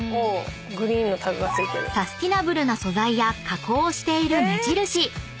［サスティナブルな素材や加工をしている目印］